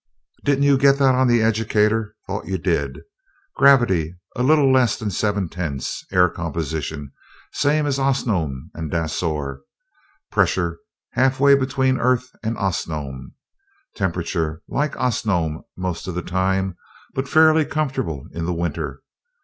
"Didn't you get that on the educator? Thought you did. Gravity a little less than seven tenths. Air composition, same as Osnome and Dasor. Pressure, half way between Earth and Osnome. Temperature, like Osnome most of the time, but fairly comfortable in the winter.